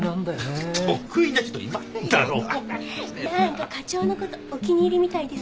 何か課長のことお気に入りみたいですよ。